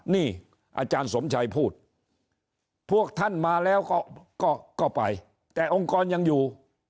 นี่อาจารย์สมชัยพูดพวกท่านมาแล้วก็ไปแต่องค์กรยังอยู่